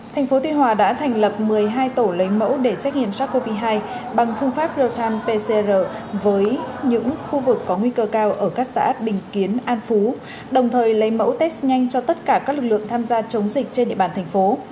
thành phố tuy hòa đã thành lập một mươi hai tổ lấy mẫu để xét nghiệm sars cov hai bằng phương pháp real time pcr với những khu vực có nguy cơ cao ở các xã bình kiến an phú đồng thời lấy mẫu test nhanh cho tất cả các lực lượng tham gia chống dịch trên địa bàn thành phố